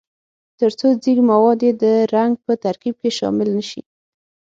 ترڅو ځیږ مواد یې د رنګ په ترکیب کې شامل نه شي.